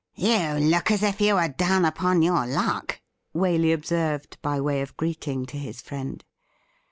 ' You look as if you were down upon your luck,' Waley observed by way of greeting to his friend.